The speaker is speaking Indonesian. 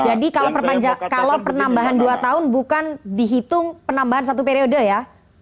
jadi kalau penambahan dua tahun bukan dihitung penambahan satu periode ya